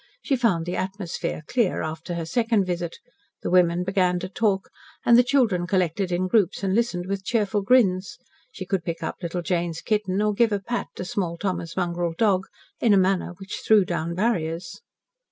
She found the atmosphere clear after her second visit. The women began to talk, and the children collected in groups and listened with cheerful grins. She could pick up little Jane's kitten, or give a pat to small Thomas' mongrel dog, in a manner which threw down barriers.